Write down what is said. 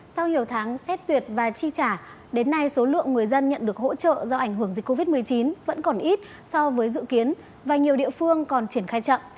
sau nhiều tháng xét duyệt và chi trả đến nay số lượng người dân nhận được hỗ trợ do ảnh hưởng dịch covid một mươi chín vẫn còn ít so với dự kiến và nhiều địa phương còn triển khai chậm